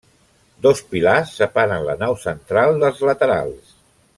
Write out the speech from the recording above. Dos pilars separen la nau central dels laterals.